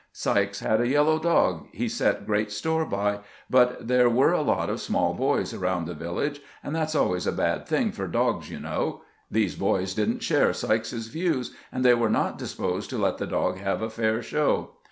" Sykes had a yellow dog he set great store by, but there were a lot of small boys around the village, and that 's always a bad thing for dogs, you know. These boys did n't share Sykes's views, and they were not disposed to let the dog have a fair show.